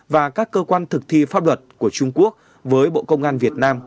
và các cơ quan thực thi pháp luật của trung quốc với bộ công an việt nam